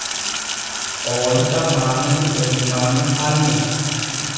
Oo yi’a Maamudu e sumaanu hanne.